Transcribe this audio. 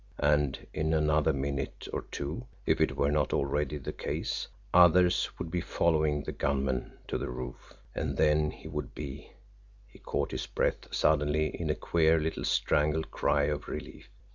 And in another minute or two, if it were not already the case, others would be following the gunmen to the roof, and then he would be he caught his breath suddenly in a queer little strangled cry of relief.